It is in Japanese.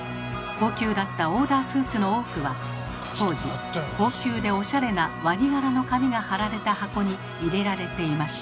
高級だったオーダースーツの多くは当時高級でオシャレなワニ柄の紙が貼られた箱に入れられていました。